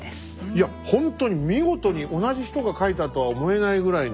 いやほんとに見事に同じ人が描いたとは思えないぐらいの。